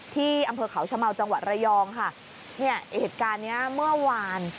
ที่อำเภอเขาชะเมาจังหวัดระยองค่ะเนี่ยเหตุการณ์เนี้ยเมื่อวาน